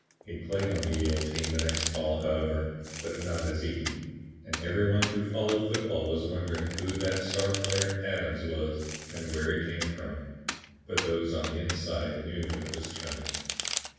He played on the Yale team the next fall, however, but not as Eaton, and every one who followed football was wondering who that star player 'Adams' was and where he came from. But those on the inside knew it was Chummy.